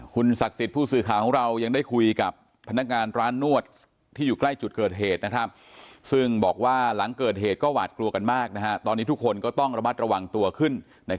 คุณศักดิ์สิทธิ์ผู้สื่อข่าวของเรายังได้คุยกับพนักงานร้านนวดที่อยู่ใกล้จุดเกิดเหตุซึ่งบอกว่าหลังเกิดเหตุก็หวาดกลัวกันมากตอนนี้ทุกคนก็ต้องระมัดระวังตัวขึ้น